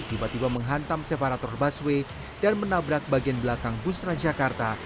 tiba tiba menghantam separator baswe dan menabrak bagian belakang bustrans jakarta